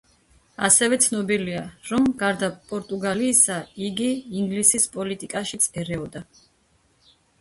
ასევე ცნობილია, რომ გარდა პორტუგალიისა, იგი ინგლისის პოლიტიკაშიც ერეოდა.